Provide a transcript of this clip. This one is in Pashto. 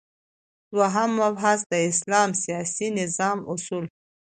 دوهم مبحث : د اسلام د سیاسی نظام اصول